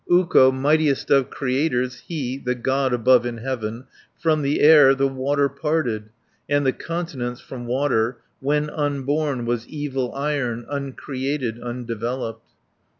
"Ukko, mightiest of Creators, He, the God above in heaven, From the Air the Water parted, And the continents from water, When unborn was evil Iron, Uncreated, undeveloped.